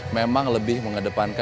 memang lebih mengedepankan